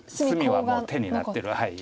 隅はもう手になってる。